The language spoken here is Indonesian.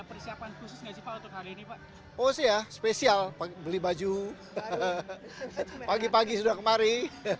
persiapan khusus ngaji foto kali ini pak oh ya spesial beli baju pagi pagi sudah kemarin